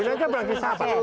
ini aja berarti sabar